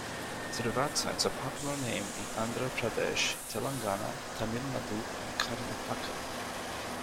Srivatsa is a popular name in Andhra Pradesh, Telangana, Tamil Nadu and Karnataka.